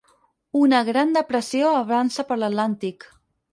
Una gran depressió avança per l'Atlàntic.